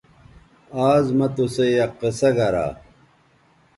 آز مہ تُسئ یک قصہ گرا